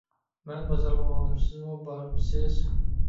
مەن بازارغا ماڭدىم، سىزمۇ بارمسىز؟